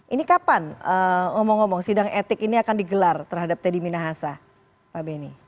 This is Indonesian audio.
ini kapan ngomong ngomong sidang etik ini akan digelar terhadap teddy minahasa pak benny